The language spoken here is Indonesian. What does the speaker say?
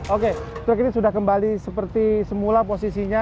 oke truk ini sudah kembali seperti semula posisinya